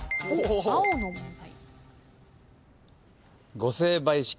青の問題。